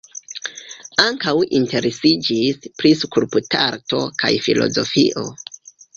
Ankaŭ interesiĝis pri skulptarto kaj filozofio.